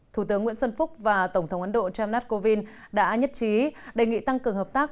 thủ tướng nguyễn xuân phúc và tổng thống ấn độ jamescovind đã nhất trí đề nghị tăng cường hợp tác